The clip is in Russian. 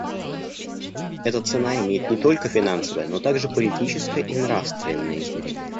Эта цена имеет не только финансовое, но также политическое и нравственное измерения.